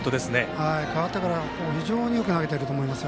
代わってから非常によく投げてると思います。